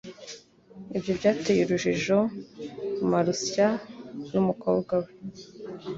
ibyo byateye urujijo marusya n umukobwa we